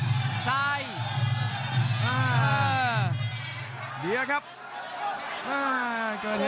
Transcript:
กรรมการเตือนทั้งคู่ครับ๖๖กิโลกรัม